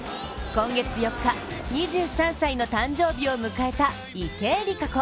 今月４日、２３歳の誕生日を迎えた池江璃花子。